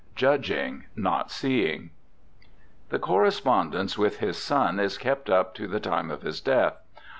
Judging, not seeing. The correspondence with his son is kept up to the time of his death.